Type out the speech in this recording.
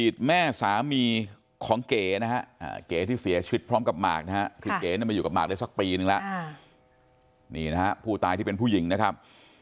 นี่นะฮะผู้ตายที่เป็นผู้หญิงนะครับ